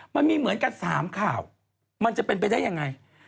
มันมีเหมือนกัน๓ข่าวมันจะเป็นไปได้ยังไง